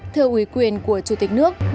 thưa quý quyền của chủ tịch